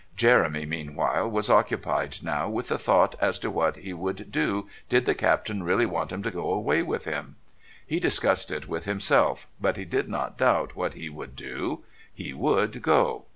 Jeremy, meanwhile, was occupied now with the thought as to what he would do did the Captain really want him to go away with him. He discussed it with himself, but he did not doubt what he would do; he would go.